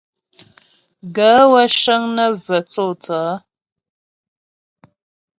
Gaə̌ wə́ cə́ŋ nə́ və tsô tsaə̌.